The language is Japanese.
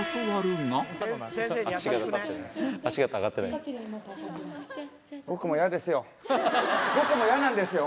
まずは僕も嫌なんですよ。